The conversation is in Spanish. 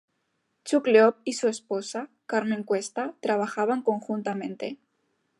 Chuck Loeb y su esposa, Carmen Cuesta, trabajan conjuntamente.